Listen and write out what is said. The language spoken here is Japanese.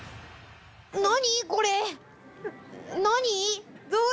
何？